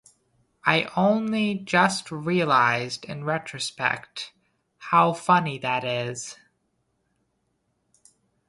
I only just realized in retrospect how funny that is.